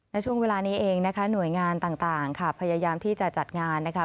และช่วงเวลานี้เองนะคะหน่วยงานต่างค่ะพยายามที่จะจัดงานนะคะ